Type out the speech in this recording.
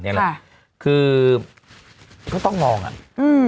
ใช่คือเขาต้องมองอ่ะอืม